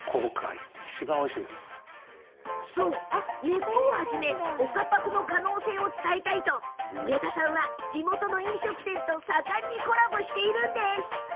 根っこをはじめ岡パクの可能性を伝えたいと植田さんは地元の飲食店と盛んにコラボしているんです。